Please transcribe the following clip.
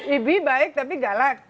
ibi baik tapi galak